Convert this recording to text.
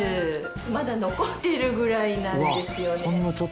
まだ残ってるぐらいなんですよね。